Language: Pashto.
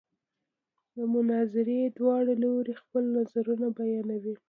د مناظرې دواړه لوري خپل نظرونه بیانوي.